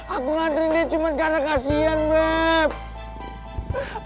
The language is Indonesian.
aku ngantri dia cuma karena kasihan web